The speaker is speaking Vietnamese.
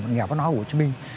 ngài bác nói của hồ chí minh